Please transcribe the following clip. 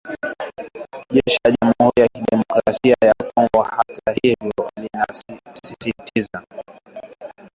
Jeshi la jamhuri ya kidemokrasia ya Kongo hata hivyo linasisitiza